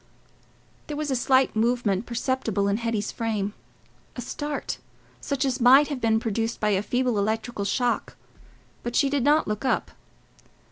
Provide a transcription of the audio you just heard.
There was a slight movement perceptible in Hetty's frame—a start such as might have been produced by a feeble electrical shock—but she did not look up.